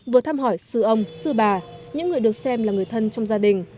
vừa thăm hỏi sư ông sư bà những người được xem là người thân trong gia đình